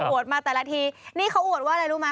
วดมาแต่ละทีนี่เขาอวดว่าอะไรรู้ไหม